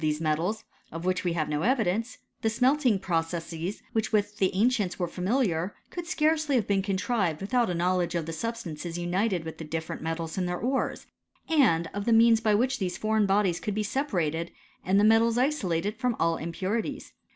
these metals, of which we have no evidence, tha smelting processes with which the ancients were fami liar, could scarcely have been contrived without a knowledge of the substances united with the different metals in their ores, and of the means by which these foreign bodies could be separated, and the metals isor lated from all impurities.